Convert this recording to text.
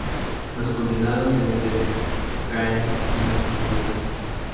Los condenados se hunden, caen, en las tinieblas.